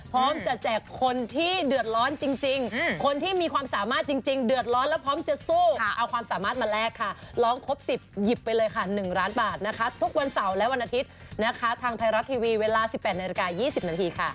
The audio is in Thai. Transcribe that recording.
พร้อมจะแจกคนที่เดือดร้อนจริงคนที่มีความสามารถจริงเดือดร้อนแล้วพร้อมจะสู้เอาความสามารถมาแลกค่ะร้องครบ๑๐หยิบไปเลยค่ะ๑ล้านบาทนะคะทุกวันเสาร์และวันอาทิตย์นะคะทางไทยรัฐทีวีเวลา๑๘นาฬิกา๒๐นาทีค่ะ